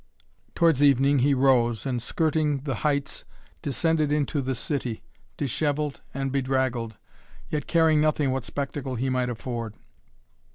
Towards evening he rose and, skirting the heights, descended into the city, dishevelled and bedraggled, yet caring nothing what spectacle he might afford.